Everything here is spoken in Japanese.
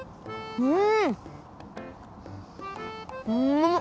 うん！